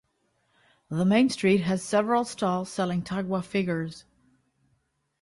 The main street has several stalls selling tagua figures.